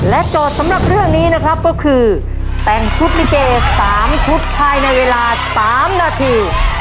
โจทย์สำหรับเรื่องนี้นะครับก็คือแต่งชุดลิเก๓ชุดภายในเวลา๓นาที